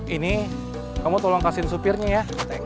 ini kamu tolong kasihin supirnya ya tank